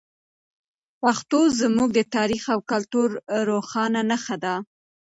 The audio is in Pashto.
پښتو زموږ د تاریخ او کلتور روښانه نښه ده.